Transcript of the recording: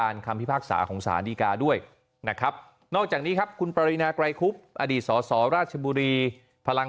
นะครับนอกจากนี้ครับคุณปริณาไกรคุบอดีตสอราชบุรีพลัง